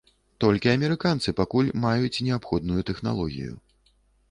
Толькі амерыканцы пакуль маюць неабходную тэхналогію.